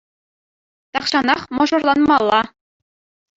Тахҫанах мӑшӑрланмалла.